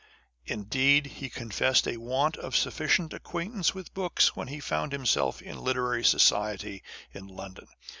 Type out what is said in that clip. Indeed, he confessed a want of sufficient ac quaintance with books when he found himself in literary society in London.